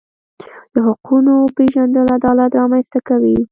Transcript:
د حقونو پیژندل عدالت رامنځته کوي.